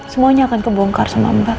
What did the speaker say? semuanya akan kebongkar sama mbak